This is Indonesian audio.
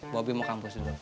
bobi mau kampus dulu